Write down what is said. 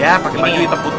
ya pakai baju hitam putih